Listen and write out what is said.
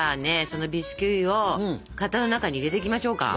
そのビスキュイを型の中に入れていきましょうか。